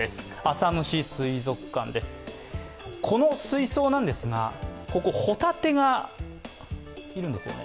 この水槽なんですが、ほたてがいるんですよ。